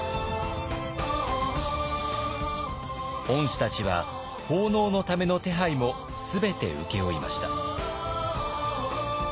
御師たちは奉納のための手配も全て請け負いました。